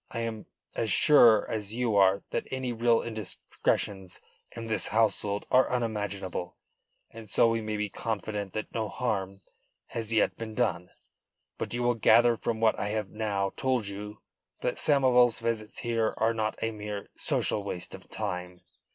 I am as sure as you are that any real indiscretions in this household are unimaginable, and so we may be confident that no harm has yet been done. But you will gather from what I have now told you that Samoval's visits here are not a mere social waste of time.